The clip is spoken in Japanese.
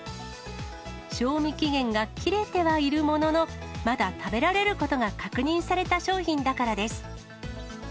賞味期限は切れてはいるものの、まだ食べられることが確認された商品だからです。